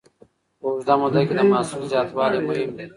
په اوږده موده کي د محصول زیاتوالی مهم دی.